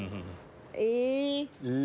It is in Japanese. え！